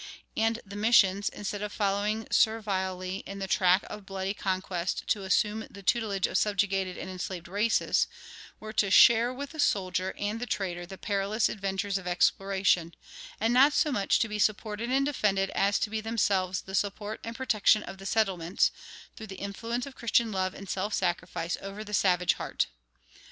And the missions, instead of following servilely in the track of bloody conquest to assume the tutelage of subjugated and enslaved races, were to share with the soldier and the trader the perilous adventures of exploration, and not so much to be supported and defended as to be themselves the support and protection of the settlements, through the influence of Christian love and self sacrifice over the savage heart.